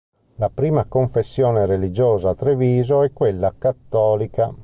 La prima confessione religiosa a Treviso è quella cattolica.